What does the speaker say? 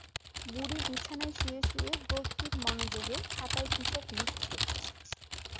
বুড়ি বিছানায় শুয়ে শুয়ে গভীর মনযোগে খাতায় কীসব লিখছে।